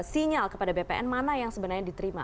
sinyal kepada bpn mana yang sebenarnya diterima